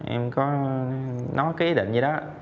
em có nói cái ý định như đó